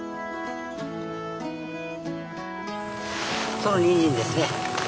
そのニンジンですね。